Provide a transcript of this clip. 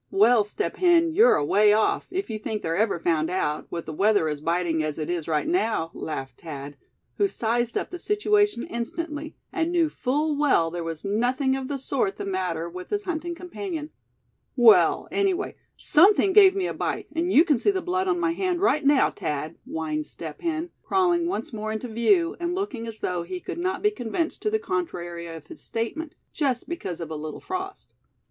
well, Step Hen, you're away off, if you think they're ever found out, with the weather as biting as it is right now!" laughed Thad; who sized up the situation instantly, and knew full well there was nothing of the sort the matter with his hunting companion. "Well, anyway, something gave me a bite, and you can see the blood on my hand right now, Thad," whined Step Hen, crawling once more into view, and looking as though he could not be convinced to the contrary of his statement, just because of a little frost.